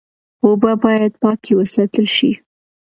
اوبه باید پاکې وساتل شي.